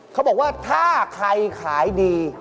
เขาบอกว่าถ้าใครขายดี